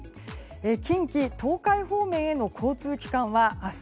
近畿・東海方面への交通機関は明日